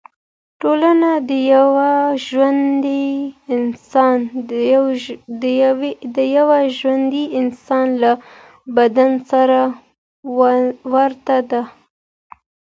ټولنه د یو ژوندي انسان له بدن سره ورته ده.